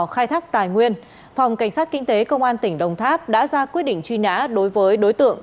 khai thác tài nguyên phòng cảnh sát kinh tế công an tỉnh đồng tháp đã ra quyết định truy nã đối với đối tượng